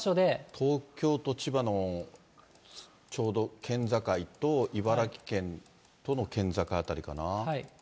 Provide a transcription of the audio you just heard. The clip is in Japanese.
東京と千葉の、ちょうど県境と、茨城県との県境辺りかな。